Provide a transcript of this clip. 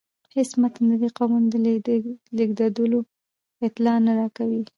هیڅ متن د دې قومونو د لیږدیدلو اطلاع نه راکوي.